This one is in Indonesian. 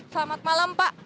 selamat malam pak